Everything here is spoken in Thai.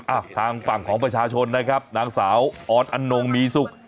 อ่ะทางฝั่งของประชาชนนะครับนางสาวออนอนงมีสุข